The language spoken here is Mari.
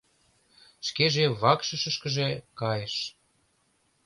Шкеже вакшышкыже кайыш.